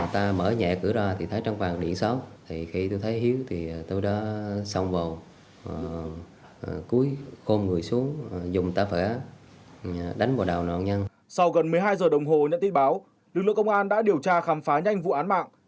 sau gần một mươi hai h đồng hồ nhận tin báo lực lượng công an đã điều tra khám phá nhanh vụ án mạng